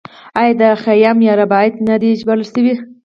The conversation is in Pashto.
آیا د خیام رباعیات نه دي ژباړل شوي؟